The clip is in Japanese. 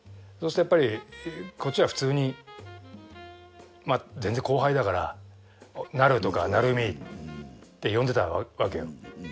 そうするとやっぱりこっちは普通に全然後輩だからなるとかなるみって呼んでたわけよ。